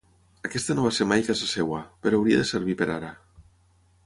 Aquesta no va ser mai casa seva, però hauria de servir per ara.